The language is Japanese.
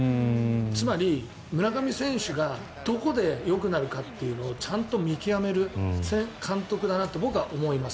つまり、村上選手がどこでよくなるかというのをちゃんと見極める監督だなって僕は思います。